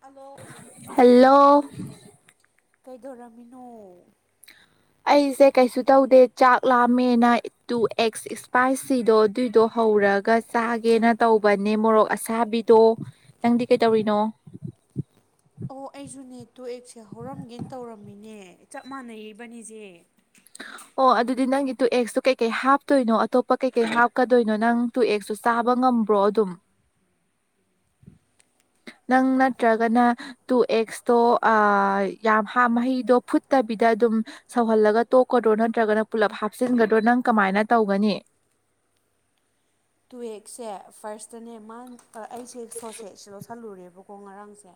hello hello ꯀꯩꯗꯧꯔꯝꯃꯤꯅꯣ ꯑꯩꯁꯦ ꯀꯩꯁꯨ ꯇꯧꯗꯦ ꯆꯥꯛ ꯂꯥꯝꯃꯦꯅ ꯇꯨ ꯑꯦꯛꯁ ꯏꯁꯄꯥꯏꯁꯤꯗꯣ ꯑꯗꯨꯏꯗꯣ ꯍꯧꯔꯒ ꯆꯥꯒꯦꯅ ꯇꯧꯕꯅꯦ ꯃꯣꯔꯣꯛ ꯑꯁꯥꯕꯤꯗꯣ ꯅꯪꯗꯤ ꯀꯩꯗꯧꯔꯤꯅꯣ ꯑꯣ ꯑꯩꯁꯨꯅꯦ ꯇꯨ ꯑꯦꯛꯁꯦ ꯍꯧꯔꯝꯒꯦꯅ ꯇꯧꯔꯝꯃꯤꯅꯦ ꯆꯞ ꯃꯥꯟꯅꯩ ꯏꯕꯥꯅꯤꯖꯦ [unintelligible] ꯑꯣ ꯑꯗꯨꯗꯤ ꯅꯪꯒꯤ ꯇꯨ ꯑꯦꯛꯁꯇꯨ ꯀꯩꯀꯩ ꯍꯥꯞꯇꯣꯏꯅꯣ ꯑꯇꯣꯞꯄ ꯀꯩꯀꯩ ꯍꯥꯞꯀꯗꯣꯏꯅꯣ ꯅꯪ ꯇꯨ ꯑꯦꯛꯁꯇꯨ ꯆꯥꯕ ꯉꯝꯕ꯭ꯔꯣ ꯑꯗꯨꯝ ꯅꯪ ꯅꯠꯇ꯭ꯔꯒꯅ ꯇꯨ ꯑꯦꯛꯁꯇꯣ ꯑ ꯌꯥꯝ ꯍꯥ ꯃꯍꯤꯗꯣ ꯐꯨꯠꯇꯕꯤꯗ ꯑꯗꯨꯝ ꯁꯧꯍꯜꯂꯒ ꯇꯣꯛꯀꯗ꯭ꯔꯣ ꯅꯠꯇ꯭ꯔꯒꯅ ꯄꯨꯜꯂꯞ ꯍꯥꯞꯆꯤꯟꯒꯗ꯭ꯔꯣ ꯅꯪ ꯀꯃꯥꯏꯅ ꯇꯧꯒꯅꯤ ꯇꯨ ꯑꯦꯛꯁꯦ ꯐꯥꯔꯁꯇꯅꯦ ꯃꯥ ꯑ ꯑꯩꯁꯦ ꯁꯣꯁꯁꯦꯁ ꯂꯧꯁꯜꯂꯨꯔꯦꯕꯀꯣ ꯉꯔꯥꯡꯁꯦ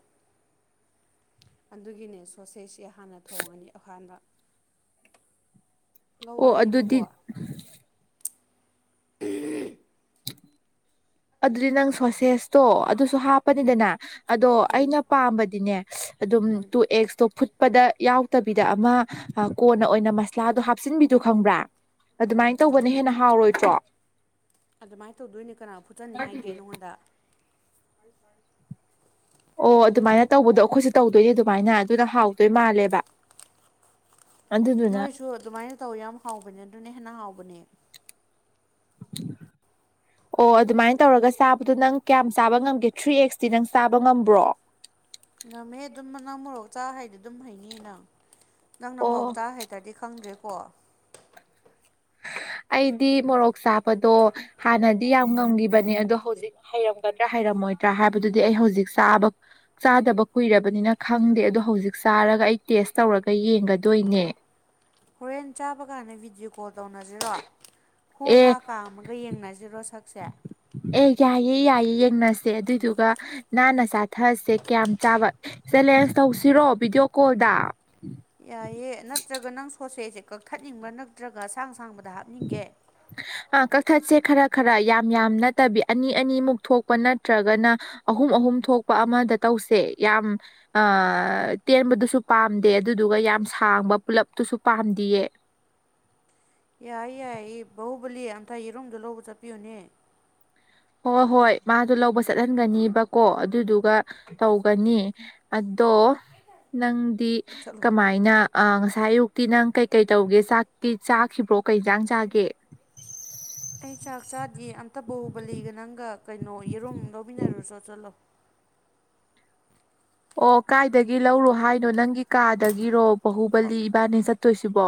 ꯑꯗꯨꯒꯤꯅꯦ ꯁꯣꯁꯦꯁꯁꯤ ꯍꯥꯟꯅ ꯊꯣꯡꯉꯅꯤ ꯍꯥꯟꯅ ꯑꯣ ꯑꯗꯨꯗꯤ ꯉꯧꯔꯅꯦꯕꯀꯣ ꯑꯗꯨꯗꯤ ꯅꯪ ꯁꯣꯁꯦꯁꯇꯣ ꯑꯗꯨꯁꯨ ꯍꯥꯞꯄꯅꯤꯗꯅ ꯑꯗꯣ ꯑꯩꯅ ꯄꯥꯝꯕꯗꯤꯅꯦ ꯑꯗꯨꯝ ꯇꯨ ꯑꯦꯛꯁꯇꯣ ꯐꯨꯠꯄꯗ ꯌꯥꯎꯗꯕꯤꯗ ꯑꯃ ꯀꯣꯟꯅ ꯑꯣꯏꯅ ꯃꯁꯂꯥꯗꯣ ꯍꯥꯞꯆꯤꯟꯕꯤꯗꯨ ꯈꯪꯕ꯭ꯔꯥ ꯑꯗꯨꯃꯥꯏꯅ ꯇꯧꯕꯅ ꯍꯦꯟꯅ ꯍꯥꯎꯔꯣꯏꯗ꯭ꯔꯣ ꯑꯗꯨꯃꯥꯏꯅ ꯇꯧꯗꯣꯏꯅꯦ ꯀꯅꯥꯅ ꯐꯨꯠꯆꯟꯅꯤ ꯍꯥꯏꯒꯦ ꯅꯉꯣꯟꯗ [unintelligible] ꯑꯣ ꯑꯗꯨꯃꯥꯏꯅ ꯇꯧꯕꯗꯣ ꯑꯩꯈꯣꯏꯁꯨ ꯇꯧꯗꯣꯏꯅꯦ ꯑꯗꯨꯃꯥꯏꯅ ꯑꯗꯨꯅ ꯍꯥꯎꯗꯣꯏ ꯃꯥꯜꯂꯦꯕ ꯑꯗꯨꯗꯨꯅ ꯅꯣꯏꯁꯨ ꯑꯗꯨꯃꯥꯏꯅ ꯇꯧ ꯌꯥꯝ ꯍꯥꯎꯕꯅꯦ ꯑꯗꯨꯅ ꯍꯦꯟꯅ ꯍꯥꯎꯕꯅꯦ [inaudible] ꯑꯣ ꯑꯗꯨꯃꯥꯏꯅ ꯇꯧꯔꯒ ꯆꯥꯕꯗꯣ ꯅꯪ ꯀꯌꯥꯝ ꯆꯥꯕ ꯉꯝꯒꯦ ꯊ꯭ꯔꯤ ꯑꯦꯛꯁꯇꯤ ꯅꯪ ꯆꯥꯕ ꯉꯝꯕ꯭ꯔꯣ ꯉꯝꯃꯦ ꯑꯗꯨꯝ ꯅꯪ ꯃꯣꯔꯣꯛ ꯆꯥ ꯍꯩꯔꯗꯤ ꯑꯗꯨꯝ ꯍꯩꯅꯤ ꯅꯪ ꯅꯪꯅ ꯃꯣꯔꯣꯛ ꯑꯣ ꯆꯥꯕ ꯍꯩꯇ꯭ꯔꯗꯤ ꯈꯪꯗ꯭ꯔꯦꯀꯣ ꯑꯩꯗꯤ ꯃꯣꯔꯣꯛ ꯆꯥꯕꯗꯣ ꯍꯥꯟꯅꯗꯤ ꯌꯥꯝ ꯉꯝꯒꯤꯕꯅꯦ ꯑꯗꯣ ꯍꯧꯖꯤꯛ ꯍꯩꯔꯝꯒꯗ꯭ꯔꯥ ꯍꯩꯔꯝꯃꯣꯏꯗ꯭ꯔꯥ ꯍꯥꯏꯕꯗꯨꯗꯤ ꯑꯩ ꯍꯧꯖꯤꯛ ꯆꯥꯕ ꯆꯥꯗꯕ ꯀꯨꯏꯔꯕꯅꯤꯅ ꯈꯪꯗꯦ ꯑꯗꯣ ꯍꯧꯖꯤꯛ ꯆꯥꯔꯒ ꯑꯩ ꯇꯦꯁ ꯇꯧꯔꯒ ꯌꯦꯡꯒꯗꯣꯏꯅꯦ ꯍꯣꯔꯦꯟ ꯆꯥꯕ ꯀꯥꯟꯗ ꯚꯤꯗꯤꯑꯣ ꯀꯣꯜ ꯇꯧꯅꯖꯤꯔꯣ ꯍꯨ ꯑꯦ ꯍꯥ ꯀꯥꯝꯃꯒ ꯌꯦꯡꯅꯖꯤꯔꯣ ꯁꯛꯁꯦ ꯑꯦ ꯌꯥꯏꯌꯦ ꯌꯥꯏꯌꯦ ꯌꯦꯡꯅꯁꯦ ꯑꯗꯨꯏꯗꯨꯒ ꯅꯥꯟꯅ ꯆꯥꯊꯁꯦ ꯀꯌꯥꯝ ꯆꯥꯕ ꯆꯦꯂꯦꯟꯁ ꯇꯧꯁꯤꯔꯣ ꯚꯤꯗꯤꯑꯣ ꯀꯣꯜꯗ ꯌꯥꯏꯑꯦ ꯅꯠꯇ꯭ꯔꯒ ꯅꯪ ꯁꯣꯁꯦꯖꯦ ꯀꯛꯊꯠꯅꯤꯡꯕ꯭ꯔꯥ ꯅꯠꯇ꯭ꯔꯒ ꯑꯁꯥꯡ ꯁꯥꯡꯕꯗ ꯍꯥꯞꯅꯤꯡꯒꯦ ꯑꯥ ꯀꯛꯊꯠꯁꯦ ꯈꯔ ꯈꯔ ꯌꯥꯝ ꯌꯥꯝ ꯅꯠꯇꯕꯤ ꯑꯅꯤ ꯑꯅꯤꯃꯨꯛ ꯊꯣꯛꯄ ꯅꯠꯇ꯭ꯔꯒꯅ ꯑꯍꯨꯝ ꯑꯍꯨꯝ ꯊꯣꯛꯄ ꯑꯃꯗ ꯇꯧꯁꯦ ꯌꯥꯝ ꯑꯥ ꯇꯦꯟꯕꯗꯨꯁꯨ ꯄꯥꯝꯗꯦ ꯑꯗꯨꯗꯨꯒ ꯌꯥꯝ ꯁꯥꯡꯕ ꯄꯨꯂꯞꯇꯨꯁꯨ ꯄꯥꯝꯗꯤꯌꯦ ꯌꯥꯏ ꯌꯥꯏꯌꯦ ꯕꯥꯍꯨꯕꯂꯤ ꯌꯥꯝ ꯐꯩ ꯌꯦꯔꯨꯝꯗꯣ ꯂꯧꯕ ꯆꯠꯄꯤꯌꯨꯅꯦ ꯍꯣꯏ ꯍꯣꯏ ꯃꯥꯗꯣ ꯂꯧꯕ ꯆꯠꯍꯟꯒꯅꯤꯕꯀꯣ ꯑꯗꯨꯗꯨꯒ ꯇꯧꯒꯅꯤ ꯑꯗꯣ ꯅꯪꯗꯤ ꯆꯠꯂꯣ ꯀꯃꯥꯏꯅ ꯑꯥ ꯉꯁꯥꯏ ꯑꯌꯨꯛꯀꯤ ꯅꯪ ꯀꯩ ꯀꯩ ꯇꯧꯒꯦ ꯆꯥꯛꯀꯤ ꯆꯥꯈꯤꯕ꯭ꯔꯣ ꯀꯩ ꯏꯟꯖꯥꯡ ꯆꯥꯒꯦ ꯑꯩ ꯆꯥꯛ ꯆꯥꯗꯤꯌꯦ ꯑꯝꯇ ꯕꯍꯨꯕꯂꯤꯒ ꯅꯪꯒ ꯀꯩꯅꯣ ꯌꯦꯔꯨꯝ ꯂꯧꯃꯤꯟꯅꯔꯨꯆꯣ ꯆꯠꯂꯣ ꯑꯣ ꯀꯥꯏꯗꯒꯤ ꯂꯧꯔꯣ ꯍꯥꯏꯅꯣ ꯅꯪꯒꯤ ꯀꯥꯗꯒꯤꯔꯣ ꯕꯥꯍꯨꯕꯂꯤ ꯏꯕꯥꯟꯅꯤ ꯆꯠꯇꯣꯏꯁꯤꯕꯣ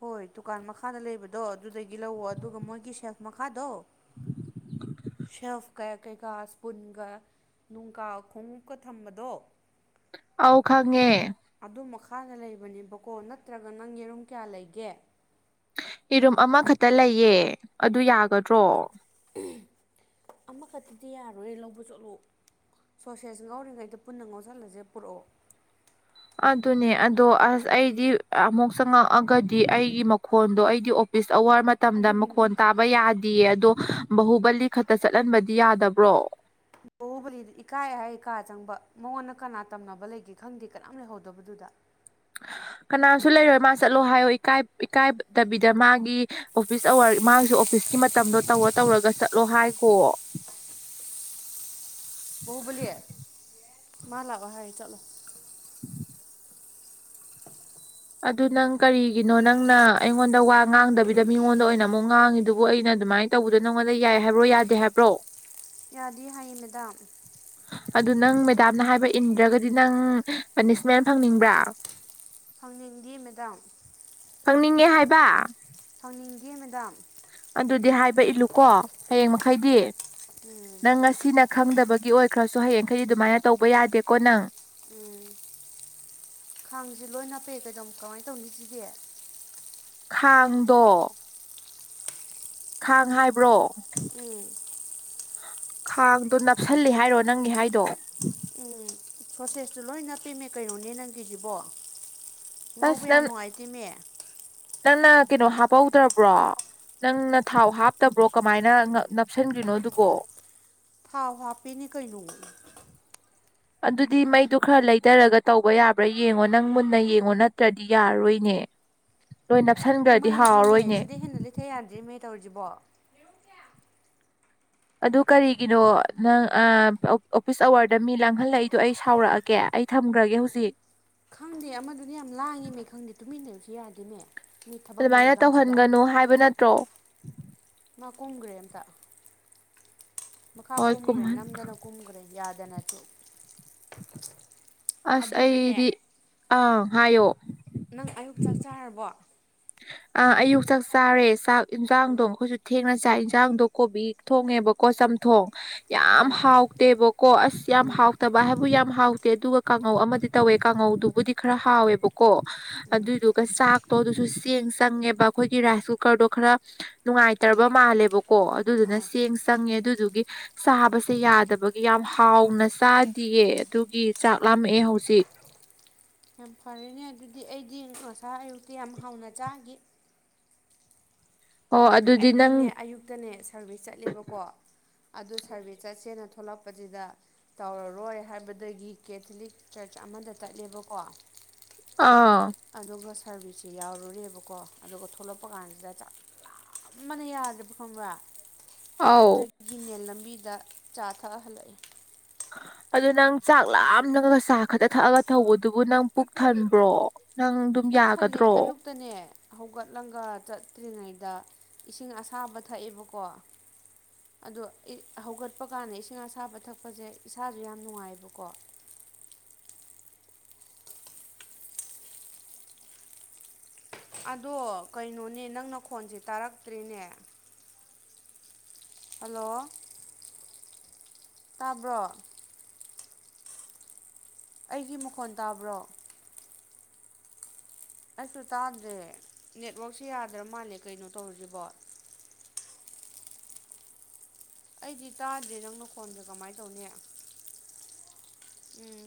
ꯍꯣꯏ ꯗꯨꯀꯥꯟ ꯃꯈꯥꯗ ꯂꯩꯕꯗꯣ ꯑꯗꯨꯗꯒꯤ ꯂꯧꯋꯣ ꯑꯗꯨꯒ ꯃꯣꯏꯒꯤ ꯁꯦꯜꯐ ꯃꯈꯥꯗꯣ ꯁꯦꯜꯐꯀ ꯀꯩꯀꯥ ꯁ꯭ꯄꯨꯟꯒ ꯅꯨꯡꯀꯥ ꯈꯣꯡꯎꯞꯀ ꯊꯝꯕꯗꯣ ꯑꯥꯎ ꯈꯪꯉꯦ ꯑꯗꯨ ꯃꯈꯥꯗ ꯂꯩꯕꯅꯦꯕꯀꯣ ꯅꯠꯇ꯭ꯔꯒ ꯅꯪ ꯌꯦꯔꯨꯝ ꯀꯌꯥ ꯂꯩꯒꯦ ꯌꯦꯔꯨꯝ ꯑꯃꯈꯛꯇ ꯂꯩꯌꯦ ꯑꯗꯨ ꯌꯥꯒꯗ꯭ꯔꯣ ꯑꯃꯈꯛꯇꯗꯤ ꯌꯥꯔꯣꯏꯍꯦ ꯂꯧꯕ ꯆꯠꯂꯣ ꯁꯣꯁꯦꯁ ꯉꯧꯔꯤꯉꯩꯗ ꯄꯨꯟꯅ ꯉꯧꯁꯜꯂꯁꯦ ꯄꯨꯔꯛꯑꯣ ꯑꯗꯨꯅꯦ ꯑꯗꯣ ꯑꯁ ꯑꯩꯗꯤ ꯑꯃꯨꯛ ꯆꯪꯉꯛꯑꯥꯒꯗꯤ ꯑꯩꯒꯤ ꯃꯈꯣꯟꯗꯣ ꯑꯩꯗꯤ ꯑꯣ ꯐꯤꯁ ꯑꯋꯥꯔ ꯃꯇꯝꯗ ꯑꯗꯨꯒꯤꯅꯤ ꯃꯈꯣꯟ ꯂꯧꯕ ꯆꯠꯂꯣ ꯇꯥꯕ ꯍꯥꯏꯕ ꯌꯥ ꯗꯤꯌꯦ ꯑꯗꯣ ꯕꯥꯍꯨꯕꯂꯤ ꯈꯛꯇ ꯆꯠꯍꯟꯕꯗꯤ ꯌꯥꯗꯕ꯭ꯔꯣ ꯕꯍꯨꯕꯂꯤꯗꯨ ꯏꯀꯥꯏ ꯍꯥꯏ ꯀꯥ ꯆꯪꯕ ꯃꯉꯣꯟꯗ ꯀꯅꯥ ꯇꯝꯅꯕ ꯂꯩꯒꯦ ꯈꯪꯗꯦ ꯀꯅꯥꯝ ꯂꯩꯍꯧꯗꯕꯗꯨꯗ ꯀꯅꯥꯝꯁꯨ ꯂꯩꯔꯣꯏ ꯃꯥ ꯆꯠꯂꯣ ꯍꯥꯏꯌꯣ ꯏꯀꯥꯏ ꯏꯀꯥꯏꯗꯕꯤꯗ ꯃꯥꯒꯤ ꯑꯣꯐꯤꯁ ꯑꯋꯥꯔ ꯃꯥꯁꯨ ꯑꯣꯐꯤꯁꯀꯤ ꯃꯇꯝꯗꯣ ꯇꯧꯔ ꯇꯧꯔꯒ ꯆꯠꯂꯣ ꯍꯥꯏꯈꯣꯋꯣ ꯕꯍꯨꯕꯜꯂꯤ ꯃꯥ ꯂꯥꯛꯑꯣ ꯍꯥꯏ ꯆꯠꯂꯣ ꯑꯗꯨ ꯅꯪ ꯀꯔꯤꯒꯤꯅꯣ ꯅꯪꯅ ꯑꯩꯉꯣꯟꯗ ꯋꯥ ꯉꯥꯡꯗꯕꯤꯗ ꯃꯤꯉꯣꯟꯗ ꯑꯣꯏꯅ ꯑꯃꯨꯛ ꯉꯥꯡꯉꯤꯗꯨꯕꯨ ꯑꯩꯅ ꯑꯗꯨꯃꯥꯏꯅ ꯇꯧꯕꯗꯣ ꯅꯉꯣꯟꯗ ꯌꯥꯏ ꯍꯥꯏꯕ꯭ꯔꯣ ꯌꯥꯗꯦ ꯍꯥꯏꯕ꯭ꯔꯣ ꯌꯥꯗꯦ ꯍꯥꯏꯌꯦ ꯃꯦꯗꯥꯝ ꯑꯗꯨ ꯅꯪ ꯃꯦꯗꯥꯝꯅ ꯍꯥꯏꯕ ꯏꯟꯗ꯭ꯔꯒꯗꯤ ꯅꯪ ꯄꯅꯤꯁꯃꯦꯟ ꯐꯪꯅꯤꯡꯕ꯭ꯔꯥ ꯐꯪꯅꯤꯡꯗꯤꯌꯦ ꯃꯦꯗꯥꯝ ꯐꯪꯅꯤꯡꯉꯦ ꯍꯥꯏꯕ ꯐꯪꯅꯤꯡꯗꯦ ꯃꯦꯗꯥꯝ ꯑꯗꯨꯗꯤ ꯍꯥꯏꯕ ꯏꯜꯂꯨꯀꯣ ꯍꯌꯦꯡ ꯃꯈꯩꯗꯤ ꯅꯪ ꯉꯁꯤꯅ ꯈꯪꯗꯕꯒꯤ ꯑꯣꯏꯈ꯭ꯔꯁꯨ ꯍꯌꯦꯡꯈꯩ ꯑꯗꯨꯃꯥꯏꯅ ꯇꯧꯕ ꯌꯥꯗꯦꯀꯣ ꯅꯪ ꯎꯝ ꯈꯥꯡꯁꯦ ꯂꯣꯏ ꯅꯞꯄꯦ ꯀꯩꯗꯧ ꯀꯃꯥꯏꯅ ꯇꯧꯅꯤ ꯁꯤꯗꯤ ꯈꯥꯡꯗꯣ ꯈꯥꯡ ꯍꯥꯏꯕ꯭ꯔꯣ ꯎꯝ ꯈꯥꯡꯗꯣ ꯅꯞꯁꯜꯂꯤ ꯍꯥꯏꯔꯣ ꯅꯪꯒꯤ ꯍꯥꯏꯗꯣ ꯎꯝ ꯁꯣꯁꯦꯁꯇꯨ ꯂꯣꯏ ꯅꯞꯄꯦꯝꯃꯤ ꯀꯩꯅꯣꯅꯦ ꯅꯪꯒꯤꯁꯤꯕꯣ ꯑꯁ ꯉꯧꯕ ꯌꯥꯝ ꯅꯪ ꯅꯨꯡꯉꯥꯏꯇꯦꯃꯤ ꯅꯪꯅ ꯀꯩꯅꯣ ꯍꯥꯞꯄꯧꯗ꯭ꯔꯕ꯭ꯔꯣ ꯅꯪꯅ ꯊꯥꯎ ꯍꯥꯞꯇꯕ꯭ꯔꯣ ꯀꯃꯥꯏꯅ ꯅꯞꯁꯟꯈ꯭ꯔꯤꯅꯣ ꯑꯗꯨꯕꯣ ꯊꯥꯎ ꯍꯥꯞꯄꯤꯅꯦ ꯀꯩꯅꯣ ꯑꯗꯨꯗꯤ ꯃꯩꯗꯨ ꯈꯔ ꯂꯩꯊꯔꯒ ꯇꯧꯕ ꯌꯥꯕ꯭ꯔꯥ ꯌꯦꯡꯉꯣ ꯅꯪ ꯃꯨꯟꯅ ꯌꯦꯡꯉꯣ ꯅꯠꯇ꯭ꯔꯗꯤ ꯌꯥꯔꯔꯣꯏꯅꯦ ꯂꯣꯏ ꯅꯞꯁꯤꯟꯈ꯭ꯔꯗꯤ ꯍꯥꯎꯔꯔꯣꯏꯅꯦ [unintelligible] ꯏꯊ ꯌꯥꯟꯗ꯭ꯔꯤ ꯃ ꯇꯧꯔꯤꯁꯤꯔꯤꯕꯣ ꯑꯗꯨ ꯀꯔꯤꯒꯤꯅꯣ ꯅꯪ ꯑꯣꯐꯤꯁ ꯑꯋꯥꯔꯗ ꯃꯤ ꯂꯥꯡꯍꯜꯂꯛꯏꯗꯣ ꯑꯩ ꯁꯥꯎꯔꯛꯑꯒꯦ [unintelligible] ꯑꯣꯀꯦ ꯑꯩ ꯊꯝꯈ꯭ꯔꯒꯦ ꯍꯧꯖꯤꯛ ꯈꯪꯗꯦ ꯑꯃꯗꯨꯗꯤ ꯌꯥꯝ ꯂꯥꯡꯉꯦꯃꯦ ꯈꯪꯗꯦ ꯇꯨꯃꯤꯟꯅꯕꯁꯨ ꯌꯥꯗꯦꯅꯦ ꯑꯗꯨꯃꯥꯏꯅ ꯇꯧꯍꯟꯒꯅꯨ ꯍꯥꯏꯕ ꯅꯠꯇ꯭ꯔꯣ ꯃꯥ ꯀꯨꯝꯈ꯭ꯔꯦ ꯑꯝꯇ ꯃꯈꯥ ꯍꯣꯏ ꯀꯨꯝꯈ꯭ꯔꯦ ꯀꯨꯝꯍꯟ ꯅꯝꯗꯅ ꯀꯨꯝꯈ꯭ꯔꯦ ꯌꯥꯗꯅꯁꯨ [inaudible] ꯑꯁ ꯑꯩꯗꯤ ꯑꯗꯨꯒꯅꯦ ꯑꯪ ꯍꯥꯏꯌꯣ ꯅꯪ ꯑꯌꯨꯛ ꯆꯥꯛ ꯆꯥꯔꯕꯣ ꯑ ꯑꯌꯨꯛ ꯆꯥꯛ ꯆꯥꯔꯦ ꯆꯥꯛ ꯌꯦꯟꯖꯥꯡꯗꯣ ꯃꯈꯣꯏꯁꯨ ꯊꯦꯡꯅ ꯆꯥꯏ ꯌꯦꯟꯖꯥꯡꯗꯣ ꯀꯣꯕꯤ ꯊꯣꯡꯉꯦꯕꯀꯣ ꯆꯝꯊꯣꯡ ꯌꯥꯝ ꯑꯧ ꯍꯥꯎꯇꯦꯕ ꯀꯣ ꯑꯁ ꯌꯥꯝ ꯎꯝ ꯍꯥꯎꯇꯕ ꯍꯥꯏꯕꯨ ꯌꯥꯝ ꯍꯥꯎꯇꯦ ꯑꯗꯨꯒ ꯀꯥꯡꯉꯧ ꯑꯃꯗꯤ ꯇꯧꯋꯦ ꯀꯥꯡꯉꯧꯗꯨꯕꯨꯗꯤ ꯈꯔ ꯍꯥꯎꯋꯦꯕꯀꯣ ꯑꯗꯨꯏꯗꯨꯒ ꯆꯥꯛꯇꯣ ꯑꯗꯨꯁꯨ ꯆꯦꯡ ꯆꯪꯉꯦꯕ ꯑꯩꯈꯣꯏꯒꯤ ꯔꯥꯏꯁ ꯀꯨꯀꯔꯗꯣ ꯈꯔ ꯅꯨꯡꯉꯥꯏꯇ꯭ꯔꯕ ꯃꯥꯜꯂꯦꯕꯀꯣ ꯑꯗꯨꯗꯨꯅ ꯑꯥ ꯆꯦꯡ ꯆꯪꯉꯦ ꯑꯗꯨꯗꯨꯒꯤ ꯆꯥꯕꯁꯦ ꯌꯥꯗꯕꯒꯤ ꯌꯥꯝ ꯍꯥꯎꯅ ꯆꯥꯗꯤꯌꯦ ꯑꯗꯨꯒꯤ ꯆꯥꯛ ꯂꯃꯛꯑꯦ ꯍꯧꯖꯤꯛ ꯌꯥꯝ ꯐꯔꯦꯅꯦ ꯑꯗꯨꯗꯤ ꯑꯩꯗꯤ ꯉꯁꯥꯢ ꯑꯌꯨꯛꯇꯤ ꯌꯥꯝ ꯍꯥꯎꯅ ꯆꯥꯈꯤ ꯑꯣ ꯑꯗꯨꯗꯤ ꯅꯪ ꯑꯩꯗꯤꯅꯦ ꯑꯌꯨꯛꯇꯅꯦ ꯁꯔꯚꯤꯁ ꯆꯠꯂꯦꯕꯀꯣ ꯑꯗꯨ ꯁꯥꯔꯚꯤꯁ ꯆꯠꯁꯦꯅ ꯊꯣꯛꯂꯛꯄꯁꯤꯗ ꯇꯧꯔꯔꯣꯏ ꯍꯥꯏꯕꯗꯒꯤ ꯀꯦꯊꯂꯤꯛ ꯆꯔꯆ ꯑꯃꯗ ꯆꯠꯂꯦꯕꯀꯣ ꯑꯥ ꯑꯗꯨꯒ ꯁꯥꯔꯚꯤꯁꯁꯤꯦ ꯌꯥꯎꯔꯨꯔꯦꯕꯀꯣ ꯑꯗꯨꯒ ꯊꯣꯛꯂꯛꯄ ꯀꯥꯟꯁꯤꯗ ꯑꯃꯅ ꯌꯥꯗꯕ ꯈꯪꯕ꯭ꯔ ꯑꯧ ꯑꯗꯨ ꯒꯤꯅꯦ ꯂꯝꯕꯤꯗ ꯆꯥ ꯊꯛꯑꯥ ꯍꯜꯂꯛꯏ ꯑꯗꯨ ꯅꯪ ꯆꯥꯛ ꯂꯥꯝꯂꯃꯥꯒ ꯆꯥ ꯈꯛꯇ ꯊꯛꯑꯒ ꯊꯧꯕꯗꯨꯕꯨ ꯅꯪ ꯄꯨꯛ ꯊꯟꯕ꯭ꯔꯣ ꯅꯪ ꯄꯨꯛ ꯊꯜꯂꯦ ꯌꯥꯒꯗ꯭ꯔꯣ ꯑꯌꯨꯛꯇꯅꯦ ꯍꯧꯒꯠꯂꯒ ꯆꯠꯇ꯭ꯔꯤꯉꯩꯗ ꯏꯁꯤꯡ ꯑꯁꯥꯕ ꯊꯛꯑꯦꯕꯀꯣ ꯑꯗꯣ ꯍꯧꯒꯠꯄ ꯀꯥꯟꯗ ꯏꯁꯤꯡ ꯑꯁꯥꯕ ꯊꯛꯄꯁꯦ ꯏꯁꯥꯁꯨ ꯌꯥꯝ ꯅꯨꯡꯉꯥꯏꯕꯀꯣ ꯑꯗꯣ ꯀꯩꯅꯣꯅꯦ ꯅꯪ ꯅꯈꯣꯟꯁꯦ ꯇꯥꯔꯛꯇ꯭ꯔꯤꯅꯦ ꯍꯜꯂꯣ ꯇꯥꯕ꯭ꯔꯣ ꯑꯩꯒꯤ ꯃꯈꯣꯟ ꯇꯥꯕ꯭ꯔꯣ ꯑꯩꯁꯨ ꯇꯥꯗ꯭ꯔꯦ ꯅꯦꯠꯋꯥꯛꯁꯦ ꯌꯥꯗ꯭ꯔ ꯃꯥꯜꯂꯦ ꯀꯩꯅꯣ ꯇꯧꯔꯤꯁꯤꯕꯣ ꯑꯩꯗꯤ ꯇꯥꯗ꯭ꯔꯦ ꯅꯪ ꯅꯈꯣꯟꯁꯦ ꯀꯃꯥꯏꯅ ꯇꯧꯅꯤ ꯎꯝ